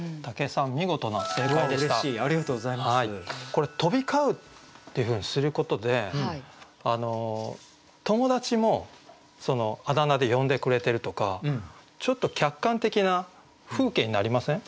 これ「飛び交ふ」っていうふうにすることで友達もそのあだ名で呼んでくれてるとかちょっと客観的な風景になりません？